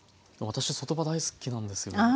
私外葉大好きなんですよ。